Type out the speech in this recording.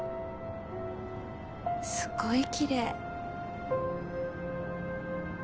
すごいきれい。